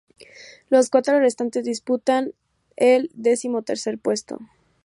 Los cuatro restantes disputan el decimotercer puesto.